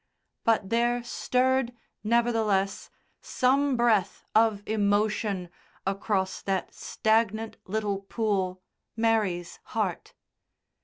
But there stirred, nevertheless, some breath of emotion across that stagnant little pool, Mary's heart.